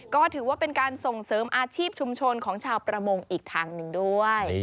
ก็ถือว่าเป็นการส่งเสริมอาชีพชุมชนของชาวประมงอีกทางหนึ่งด้วย